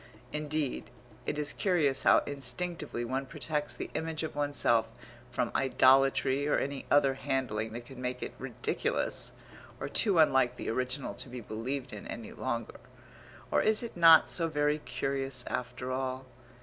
Indeed, it is curious how instinctively one protects the image of oneself from idolatry or any other handling that could make it ridiculous, or too unlike the original to be believed in any longer. Or is it not so very curious after all?